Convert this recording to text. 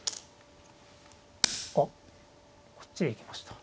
あっこっちへ行きました。